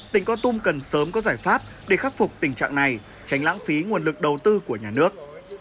tỉnh con tum cần sớm có giải pháp để khắc phục tình trạng này tránh lãng phí nguồn lực đầu tư của nhà nước